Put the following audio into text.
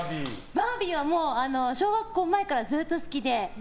バービーは小学校前からずっと好きで。